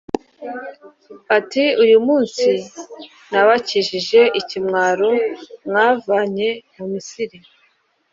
ati uyu munsi nabakijije ikimwaro mwavanye mu misiri